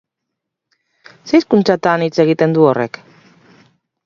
Zer hizkuntzatan hitz egiten du horrek?